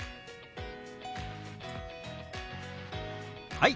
はい！